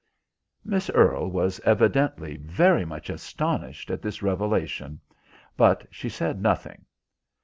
Miss Earle was evidently very much astonished at this revelation, but she said nothing.